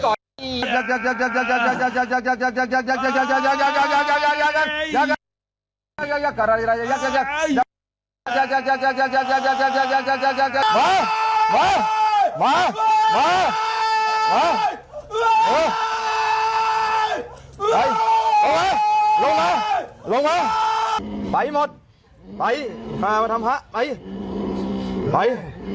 มามามามามาลงมาลงมาไปหมดไปข้ามาทำพระไปไป